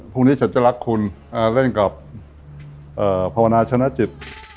พรุ่งนี้ฉันจะรักคุณเล่นกับภาวนาชนะจิต